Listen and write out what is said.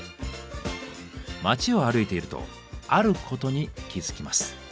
街を歩いているとあることに気付きます。